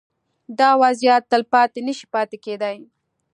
دا وضعیت تلپاتې نه شي پاتې کېدای.